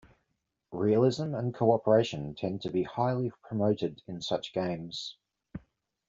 Realism and cooperation tend to be highly promoted in such games.